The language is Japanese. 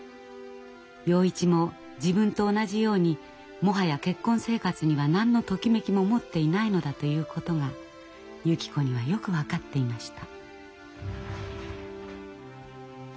洋一も自分と同じようにもはや結婚生活には何のときめきも持っていないのだということがゆき子にはよく分かっていました。